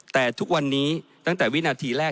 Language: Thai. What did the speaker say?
แต่ทุกวันนี้ตั้งแต่วินาทีแรก